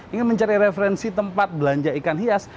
ingin mencari referensi tempat belanja ikan hias